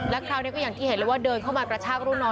แล้วคราวนี้ก็อย่างที่เห็นเลยว่าเดินเข้ามากระชากรุ่นน้อง